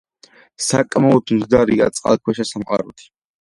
საკმაოდ მდიდარია წყალქვეშა სამყაროთი.